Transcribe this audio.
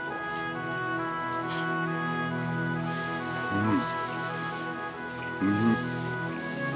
うん。